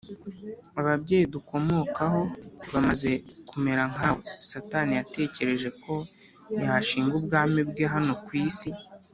. Ababyeyi dukomokaho bamaze kumera nkawe, Satani yatekereje ko yashinga ubwami bwe hano ku isi